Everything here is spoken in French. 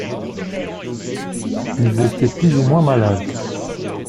Ils étaient plus ou moins malades.